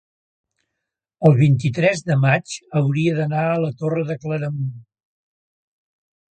el vint-i-tres de maig hauria d'anar a la Torre de Claramunt.